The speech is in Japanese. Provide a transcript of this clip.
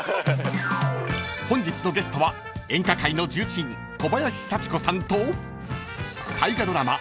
［本日のゲストは演歌界の重鎮小林幸子さんと大河ドラマ